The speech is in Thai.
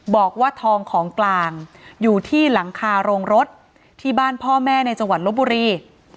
บอกว่าทองของกลางอยู่ที่หลังคาโรงรถที่บ้านพ่อแม่ในจังหวัดลบบุรี